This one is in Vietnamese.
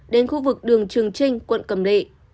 đến khu vực đường trường trinh quận cầm lệ